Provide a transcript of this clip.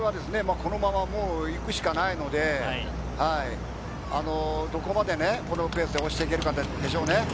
このまま行くしかないので、どこまでこのペースで押していけるかでしょうね。